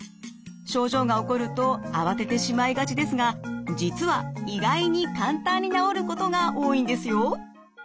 症状が起こると慌ててしまいがちですが実は意外に簡単に治ることが多いんですよ。